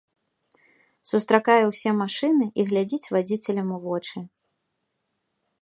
Сустракае ўсе машыны і глядзіць вадзіцелям у вочы.